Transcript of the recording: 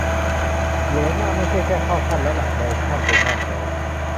- เหวอมาก ไม่ใช่แค่ "เข้าขั้น" แล้วล่ะ "เลยขั้น" ไปมากแล้ว !